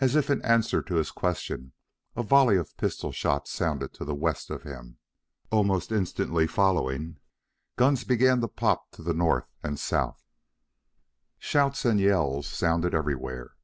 As if in answer to his question, a volley of pistol shots sounded to the west of him. Almost instantly following, guns began to pop to the north and south. Shouts and yells sounded everywhere.